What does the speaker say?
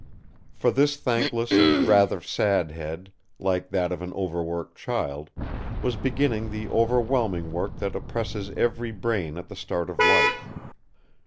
For this thankless and rather sad head, like that of an overworked child, was beginning the overwhelming work that oppresses every brain at the start of life.